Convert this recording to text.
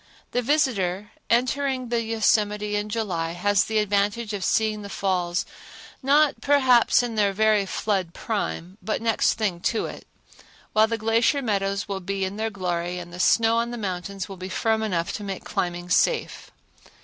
The visitor entering the Yosemite in July has the advantage of seeing the falls not, perhaps, in their very flood prime but next thing to it; while the glacier meadows will be in their glory and the snow on the mountains will be firm enough to make climbing safe.